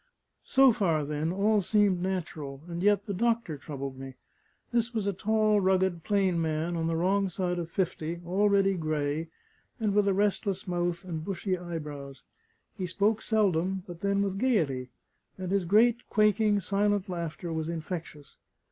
So far, then, all seemed natural, and yet the doctor troubled me. This was a tall, rugged, plain man, on the wrong side of fifty, already gray, and with a restless mouth and bushy eyebrows: he spoke seldom, but then with gaiety; and his great, quaking, silent laughter was infectious.